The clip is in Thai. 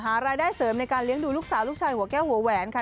หารายได้เสริมในการเลี้ยงดูลูกสาวลูกชายหัวแก้วหัวแหวนค่ะ